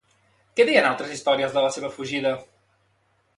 Què deien altres històries de la seva fugida?